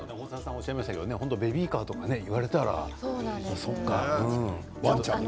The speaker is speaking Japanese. おっしゃいましたけどベビーカーとかねあとはワンちゃんね。